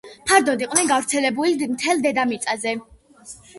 ფართოდ იყვნენ გავრცელებული მთელ დედამიწაზე.